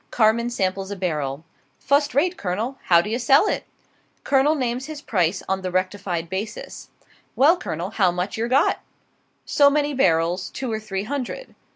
Carman samples a barrel. "Fust rate, Colonel, how d'ye sell it?" Colonel names his price on the rectified basis. "Well, Colonel, how much yer got?" "So many barrels two or three hundred."